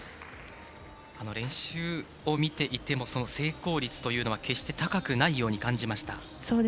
練習を見ていても成功率というのは決して高くないように感じました。